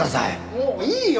もういいよ！